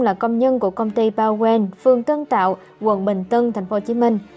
là công nhân của công ty bao quen phương tân tạo quận bình tân thành phố hồ chí minh